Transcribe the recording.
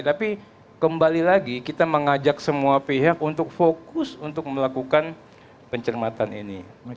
tapi kembali lagi kita mengajak semua pihak untuk fokus untuk melakukan pencermatan ini